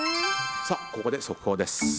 ここで速報です。